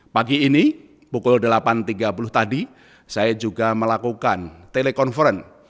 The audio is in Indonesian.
pagi ini pukul delapan tiga puluh tadi saya juga melakukan telekonferensi